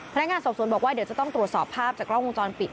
พนักงานสอบสวนบอกว่าเดี๋ยวจะต้องตรวจสอบภาพจากกล้องวงจรปิด